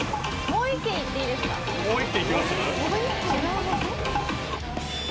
もう一軒行きます？